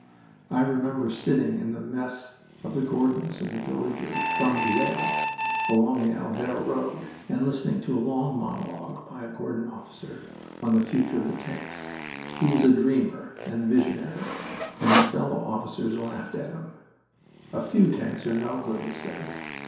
I remember sitting in a mess of the Gordons in the village of Franvillers along the Albert road, and listening to a long monologue by a Gordon officer on the future of the tanks. He was a dreamer and visionary, and his fellow officers laughed at him. "A few tanks are no good," he said.